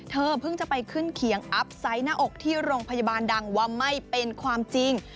เธอเพิ่งจะไปขึ้นเขียงอัพไซต์หน้าอกที่โรงพยาบาลดังว่าไม่เป็นความจริง